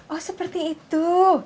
oh seperti itu